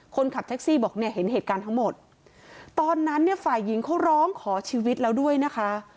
คนขับแท็กซี่บอกเนี่ยเห็นเหตุการณ์ทั้งหมดตอนนั้นเนี่ยฝ่ายหญิงเขาร้องขอชีวิตแล้วด้วยนะคะ